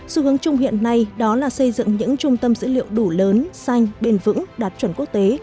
xu hướng chung hiện nay đó là xây dựng những trung tâm dữ liệu đủ lớn xanh bền vững đạt chuẩn quốc tế